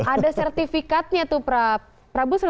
ada sertifikatnya tuh prabu